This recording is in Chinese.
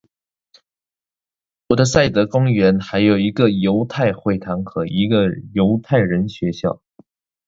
伍德塞德公园还有一个犹太会堂和一个犹太人学校。